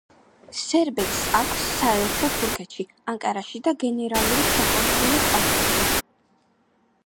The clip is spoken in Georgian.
სერბეთს აქვს საელჩო თურქეთში, ანკარაში და გენერალური საკონსულო სტამბოლში.